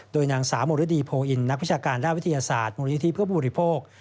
โดยหนังสาโมริดีโพงอินนักพิชาการและวิทยาศาสตร์โมริยุทธิเพื่อผู้บุริโภค